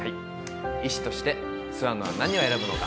医師として、諏訪野は何を選ぶのか。